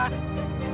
saya tidak tahu pak